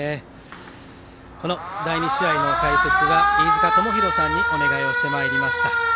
この第２試合の解説は飯塚智広さんにお願いをしてまいりました。